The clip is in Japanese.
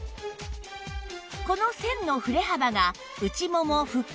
この線の振れ幅が内もも腹筋